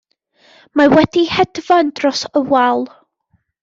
Mae wedi hedfan dros y wal.